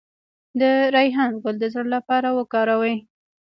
د ریحان ګل د زړه لپاره وکاروئ